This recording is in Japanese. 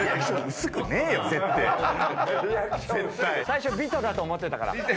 最初ビトだと思ってたから。